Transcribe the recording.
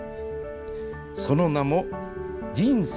その名も人生